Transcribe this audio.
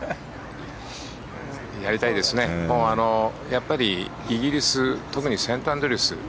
やっぱりイギリス特にセントアンドリュース